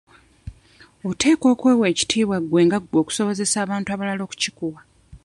Oteekwa okwewa ekitiibwa gwe nga gwe okusobozesa abantu abalala okukikuwa.